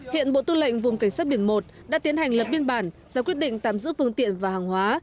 hiện bộ tư lệnh vùng cảnh sát biển một đã tiến hành lập biên bản ra quyết định tạm giữ phương tiện và hàng hóa